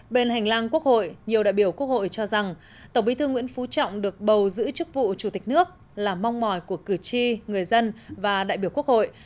bên hành lang quốc hội nhiều đại biểu quốc hội cho rằng tổng bí thư nguyễn phú trọng được bầu giữ chức vụ chủ tịch nước là mong mỏi của cử tri người dân và đại biểu quốc hội